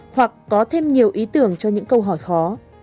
hoặc có thêm nhiều ý tưởng cho những câu hỏi khó